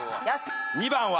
２番は。